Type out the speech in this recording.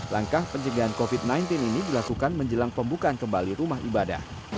langkah pencegahan covid sembilan belas ini dilakukan menjelang pembukaan kembali rumah ibadah